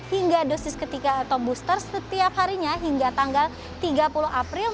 hingga dosis ketiga atau booster setiap harinya hingga tanggal tiga puluh april